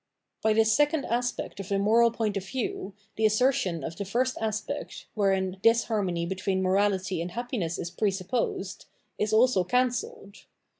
By this second aspect of the moral point of view, the assertion of the first aspect, wherein disharmony be tween morality and happine® is presupposed, is also cancelled.